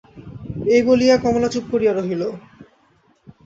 এই বলিয়া কমলা চুপ করিয়া রহিল।